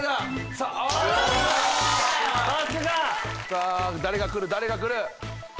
さすが！誰が来る誰が来る？